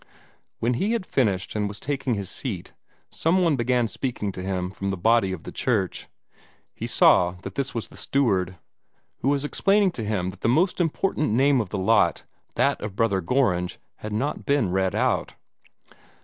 When he had finished and was taking his seat, some one began speaking to him from the body of the church. He saw that this was the steward, who was explaining to him that the most important name of the lot that of Brother Gorringe had not been read out.